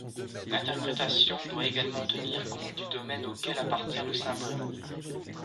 L’interprétation doit également tenir compte du domaine auquel appartient le symbole.